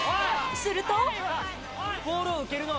すると